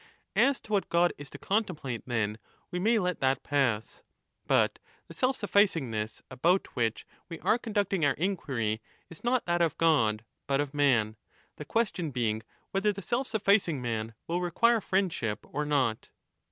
As to what God is to contemplate, then, we may let that pass. But the self sufficingness about which we are con ducting our inquiry is not that of God but of man, the question being whether the self sufficing man will require 10 friendship or not.